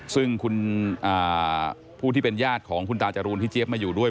ซึ่งคุณผู้ที่เป็นญาติของคุณตาจรูนที่เจี๊ยบมาอยู่ด้วย